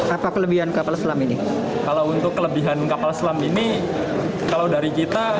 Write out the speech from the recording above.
apa kelebihan kapal selam ini kalau untuk kelebihan kapal selam ini kalau dari kita